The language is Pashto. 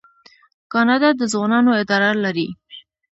کاناډا د ځوانانو اداره لري.